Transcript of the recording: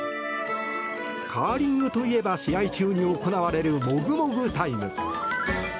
カーリングといえば試合中に行われるもぐもぐタイム。